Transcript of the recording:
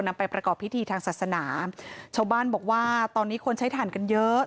นำไปประกอบพิธีทางศาสนาชาวบ้านบอกว่าตอนนี้คนใช้ฐานกันเยอะ